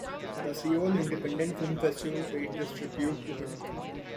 The Seoul Independent Film Festival paid this tribute to him.